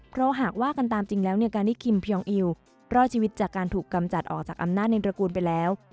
เพราะหากว่ากันตามจริงแล้วเนี่ยการที่คิมพยองอิวรอดชีวิตจากการถูกกำจัดออกจากอำนาจในตระกูลไปแล้ว